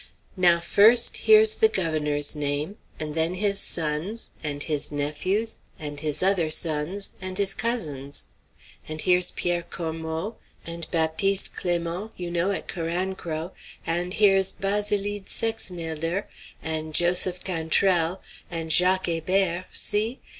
"Now, first, here's the governor's name; and then his son's, and his nephew's, and his other son's, and his cousin's. And here's Pierre Cormeaux, and Baptiste Clément, you know, at Carancro; and here's Basilide Sexnailder, and Joseph Cantrelle, and Jacques Hébert; see?